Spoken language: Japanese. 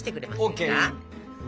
ＯＫ。